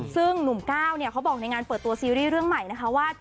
ซึ่งหนุ่มก้าวเนี่ยเขาบอกในงานเปิดตัวซีรีส์เรื่องใหม่นะคะว่า